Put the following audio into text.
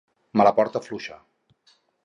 Me la porta fluixa.